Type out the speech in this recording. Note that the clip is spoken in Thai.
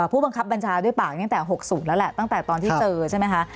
ผู้บังคับบัญชาด้วยปากตั้งแต่๖๐แล้วแหละตั้งแต่ตอนที่เจอใช่ไหมคะ